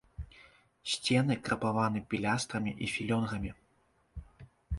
Сцены крапаваны пілястрамі і філёнгамі.